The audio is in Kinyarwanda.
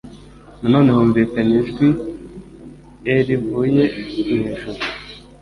Nanone humvikanye ijwi e rivuye mu ijuru